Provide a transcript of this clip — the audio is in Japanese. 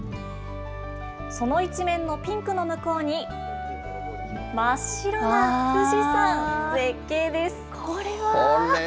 その一面のピンクの向こうに真っ白な富士山、絶景です。